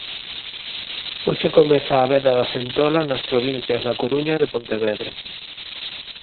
Hoxe comeza a veda da centola nas provincias da Coruña e de Pontevedra.